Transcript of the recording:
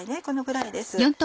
このぐらいです。